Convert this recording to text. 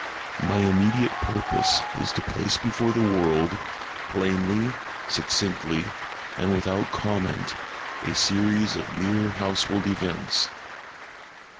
My immediate purpose is to place before the world, plainly, succinctly, and without comment, a series of mere household events.